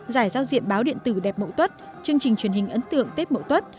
giải giao diện báo điện tử đẹp mẫu tuất chương trình truyền hình ấn tượng tết mẫu tuất